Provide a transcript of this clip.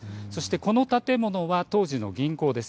この建物は当時の銀行です。